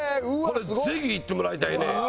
これぜひ行ってもらいたいね。